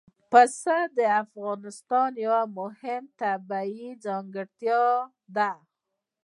پسه د افغانستان یوه مهمه طبیعي ځانګړتیا ده.